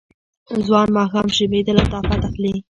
ځوان ماښام شیبې د لطافت اخلي